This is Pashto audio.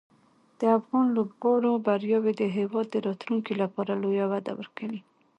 د افغان لوبغاړو بریاوې د هېواد د راتلونکي لپاره لویه وده ورکوي.